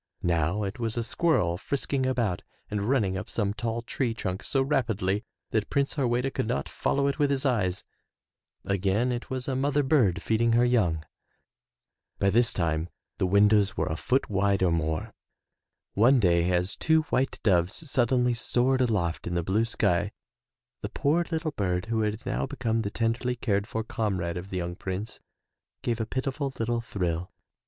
Now it was a squirrel frisking about and running up some tall tree trunk so rapidly that Prince Harweda could not follow it with his eyes; again it was a mother bird feeding her young. By 42 THROUGH FAIRY HALLS this time the windows were a foot wide or more. One day as two white doves suddenly soared aloft in the blue sky the poor little bird who had now become the tenderly cared for comrade of the young Prince, gave a pitiful little thrill.